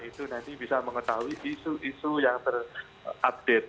itu nanti bisa mengetahui isu isu yang terupdate